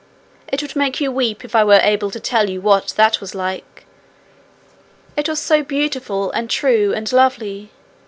It would make you weep if I were able to tell you what that was like, it was so beautiful and true and lovely.